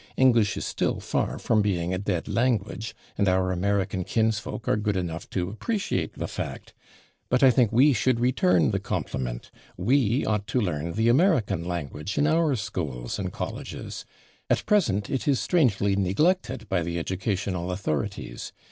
English is still far from being a dead language, and our American kinsfolk are good enough to appreciate the fact. But I think we should return the compliment. We ought to learn the American language in our schools and colleges. At present it is strangely neglected by the educational authorities.